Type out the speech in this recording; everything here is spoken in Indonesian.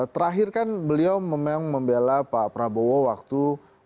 terakhir kan beliau memang membela pak prabowo waktu dua ribu empat belas